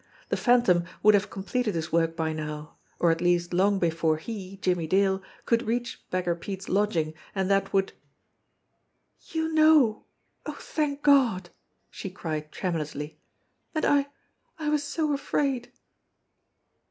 The Phantom would have com pleted his work by now, or at least long before he, Jimmie Dale, could reach Beggar Pete's lodging, and that would "You know! Oh, thank God!" she cried tremulously. "And I I was so afraid